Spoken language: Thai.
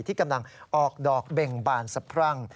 ที่กำลังออกดอกเบ่งบานสะพรั่ง